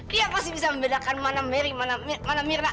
dia pasti bisa membedakan mana mary mana mirna